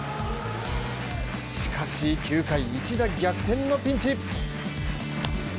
しかし９回、一打逆転のピンチ。